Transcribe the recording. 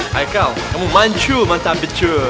haikal kamu mancu mata becer